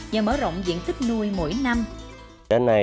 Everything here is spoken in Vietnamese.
và mở rộng diện tích nuôi mỗi năm